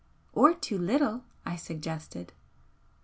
"Or too little?" I suggested.